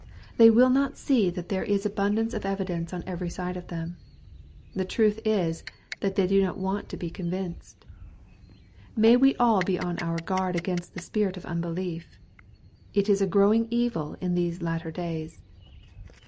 They will not see that there is abundance of evidence on every side of them. The truth is, that they do not want to be convinced. May we all be on our guard against the spirit of un belief 1 It is a growing evil in these latter days.